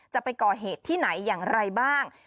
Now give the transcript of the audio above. จะไปก่อเหตุที่ไหนอย่างไรบ้าง